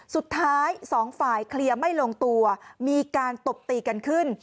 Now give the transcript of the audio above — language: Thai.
สุดท้ายสองฝ่ายเคลียร์ไม่ลงตัวมีการตบตีกันขึ้น